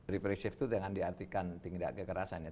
represif itu dengan diartikan tindak kekerasannya